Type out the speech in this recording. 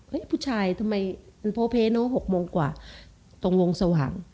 ผู้ชายทำไมมันโพเพเนอะ๖โมงกว่าตรงวงสว่าง